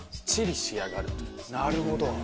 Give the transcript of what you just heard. なるほど。